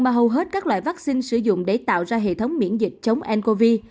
mà hầu hết các loại vaccine sử dụng để tạo ra hệ thống miễn dịch chống ncov